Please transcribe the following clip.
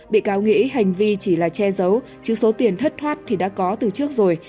bị cáo nghĩ hành vi chỉ là che giấu chứ số tiền thất thoát thì đã có từ trước rồi